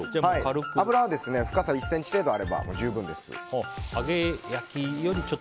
油は深さ１ｃｍ程度あれば十分です。